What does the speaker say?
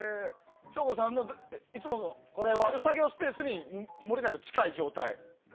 省吾さんのいつもしている作業スペースにもれなく近い状態。